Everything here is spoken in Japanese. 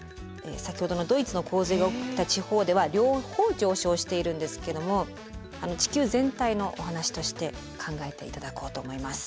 先ほどのドイツの洪水が起きた地方では両方上昇しているんですけども地球全体のお話として考えて頂こうと思います。